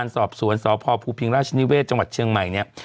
สอบสวนสพภูพิงราชนิเวศจังหวัดเชียงใหม่เนี่ย